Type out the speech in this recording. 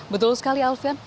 betul sekali alvian